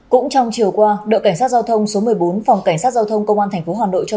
cũng trong chiều qua đội cảnh sát giao thông số một mươi bốn phòng cảnh sát giao thông công an tp hà nội cho